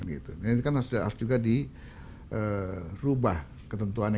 ini kan harus juga dirubah ketentuannya